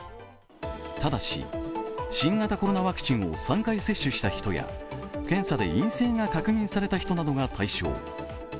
ただし新型コロナワクチンを３回接種した人や検査で陰性が確認された人などが対象。